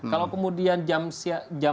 kalau kemudian jam siat